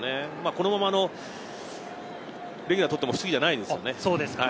このままレギュラーを取っても不思議じゃないですね。